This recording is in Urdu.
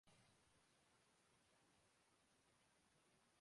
آزادی کے بعد بھی ایک ڈپٹی کمشنر کی آن بان وہی رہی